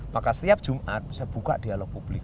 maka setiap jumat saya buka dialog publik